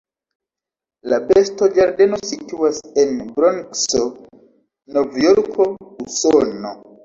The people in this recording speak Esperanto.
La bestoĝardeno situas en Bronkso, Novjorko, Usono.